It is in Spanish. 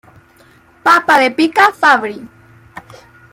Papa de Pica Fabbri.